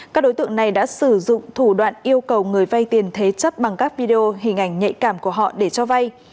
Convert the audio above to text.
các đối tượng này đã sử dụng thủ đoạn yêu cầu người vay tiền thế chấp bằng các video hình ảnh nhạy cảm của họ để cho vay